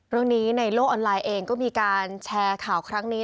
ในโลกออนไลน์เองก็มีการแชร์ข่าวครั้งนี้